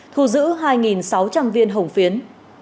thu giữ hai sáu trăm linh viên hồng phiến